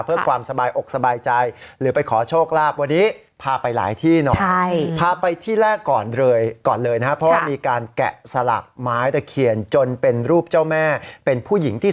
เพื่อความสบายอกสบายใจ